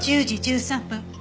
１０時１３分。